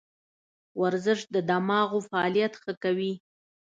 ورزش د دماغو فعالیت ښه کوي.